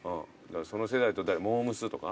その世代モー娘。とか？